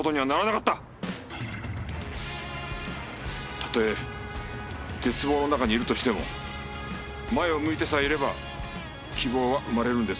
たとえ絶望の中にいるとしても前を向いてさえいれば希望は生まれるんですよ。